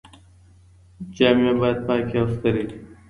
جامې بايد پاکې او سترې وي.